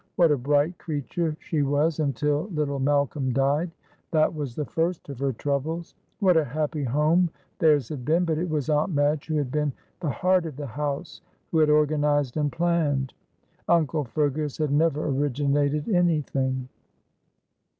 What a bright creature she was until little Malcolm died. That was the first of her troubles. What a happy home theirs had been, but it was Aunt Madge who had been the heart of the house, who had organised and planned. Uncle Fergus had never originated anything.